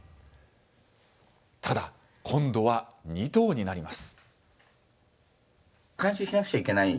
ただ、今度は２頭になります。